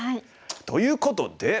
ということで。